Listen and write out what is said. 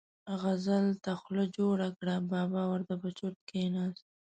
غزل ته خوله جوړه کړه، بابا ور ته په چرت کېناست.